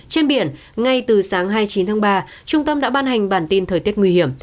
trên biển ngay từ sáng hai mươi chín tháng ba trung tâm đã ban hành bản tin thời tiết nguy hiểm